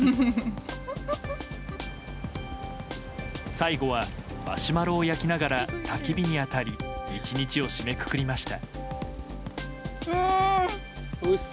最後はマシュマロを焼きながらたき火に当たり１日を締めくくりました。